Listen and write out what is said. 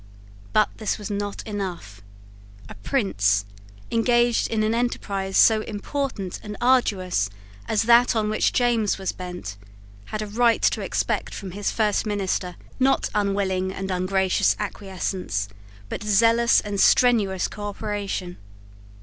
But this was not enough. A prince, engaged in an enterprise so important and arduous as that on which James was bent, had a right to expect from his first minister, not unwilling and ungracious acquiescence, but zealous and strenuous cooperation.